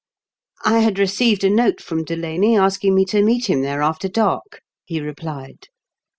" I had received a note from Delaney, asking me to meet him there after dark," he replied.